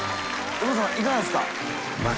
お父さんいかがですか？